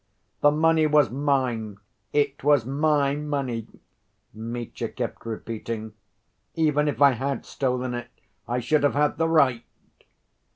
"The money was mine, it was my money," Mitya kept repeating. "Even if I had stolen it, I should have had the right."